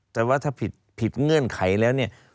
แต่ว่าถ้าผิดเงื่อนไขแล้วเนี่ย